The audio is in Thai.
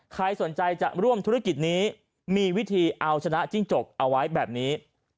ใครสนใจจะร่วมธุรกิจนี้มีวิธีเอาชนะจิ้งจกเอาไว้แบบนี้